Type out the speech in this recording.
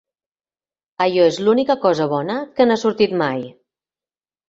Allò és l'única cosa bona que n'ha sortit mai.